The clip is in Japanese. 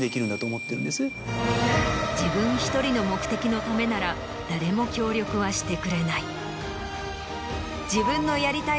自分１人の目的のためなら誰も協力はしてくれない。